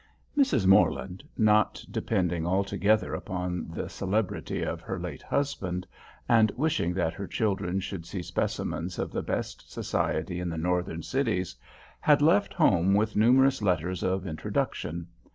Mrs. Morland, not depending altogether upon the celebrity of her late husband, and wishing that her children should see specimens of the best society in the northern cities, had left home with numerous letters of introduction.